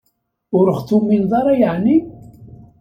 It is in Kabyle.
Ur ɣ-tumineḍ ara yeɛni?